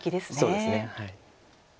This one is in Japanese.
そうですね。